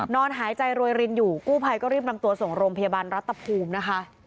นอนหายใจรวยรินอยู่กู้ภัยก็รีบนำตัวส่งโรงพยาบาลรัฐภูมินะคะ